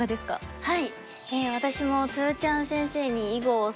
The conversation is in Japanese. はい。